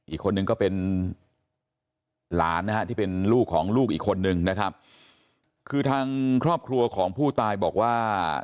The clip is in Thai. อีกคนนึงก็เป็นหลานนะฮะที่เป็นลูกของลูกอีกคนนึงนะครับคือทางครอบครัวของผู้ตายบอกว่า